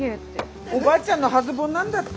おばあちゃんの初盆なんだって？